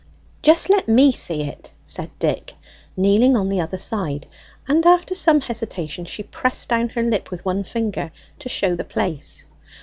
"Just let me see it," said Dick, kneeling on the other side: and after some hesitation she pressed down her lip with one finger to show the place.